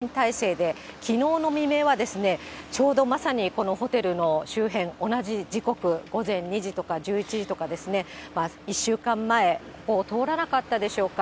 きのうで１週間という節目を迎えまして、２４０人態勢で、きのうの未明はですね、ちょうどまさにこのホテルの周辺、同じ時刻、午前２時とか、１１時とかですね、１週間前、ここを通らなかったでしょうか？